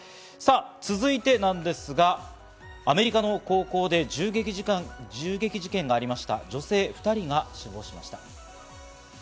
続いてですが、アメリカの高校で銃撃事件がありました、女性２人が死亡しました。